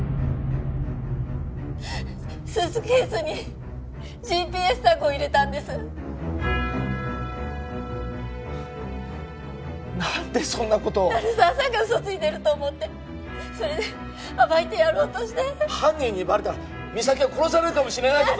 スーツケースにＧＰＳタグを入れたんです何でそんなことを鳴沢さんが嘘ついてると思ってそれで暴いてやろうとして犯人にバレたら実咲は殺されるかもしれないんだぞ